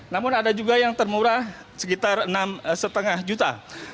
namun ada juga yang termurah sekitar enam lima juta